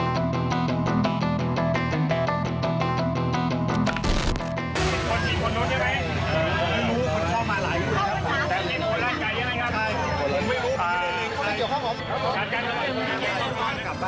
สวัสดีครับพี่สวัสดีครับสวัสดีครับ